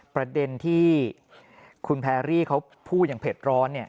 ประเด็นที่คุณแพรรี่เขาพูดอย่างเผ็ดร้อน